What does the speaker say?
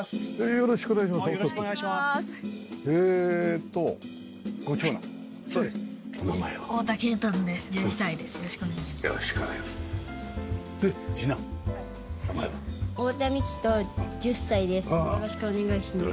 よろしくお願いします。